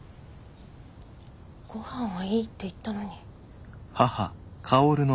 ごはんはいいって言ったのに。